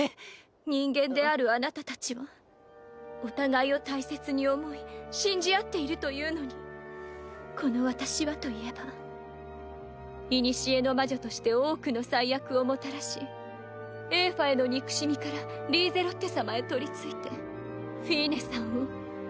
人間であるあなたたちはお互いを大切に思い信じ合っているというのにこの私はといえば古の魔女として多くの災厄をもたらしエーファへの憎しみからリーゼロッテ様へ取り憑いてフィーネさんを。